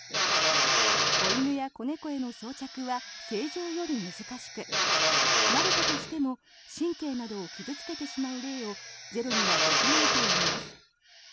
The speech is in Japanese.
子犬や子猫への装着は成獣より難しく慣れたとしても神経などを傷付けてしまう例をゼロにはできないといいます。